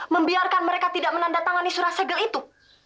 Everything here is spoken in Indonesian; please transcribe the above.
membiarkan mereka tidak menandatangani surat segel itu